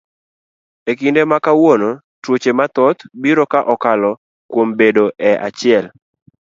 E kinde makawuono tuoche mathoth biro ka okalo kuom bedo e achiel.